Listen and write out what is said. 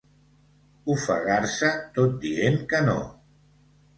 Ofegar-se tot dient que no.